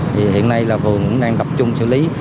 vì hiện nay là phường cũng đang tập trung xử lý